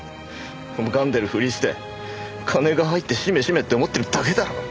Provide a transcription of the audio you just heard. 拝んでるふりして金が入ってしめしめって思ってるだけだろう。